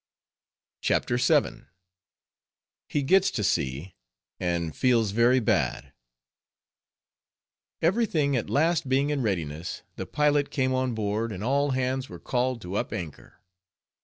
CHAPTER VII. HE GETS TO SEA AND FEELS VERY BAD Every thing at last being in readiness, the pilot came on board, and all hands were called to up anchor.